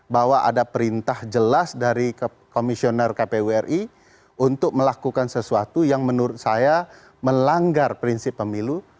bahwa ada perintah jelas dari komisioner kpu ri untuk melakukan sesuatu yang menurut saya melanggar prinsip pemilu